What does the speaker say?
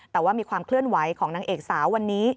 แต่ว่ามีความเคลื่อนไหวของนางเอกสาววันนี้